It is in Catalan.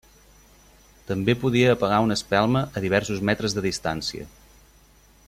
També podia apagar una espelma a diversos metres de distància.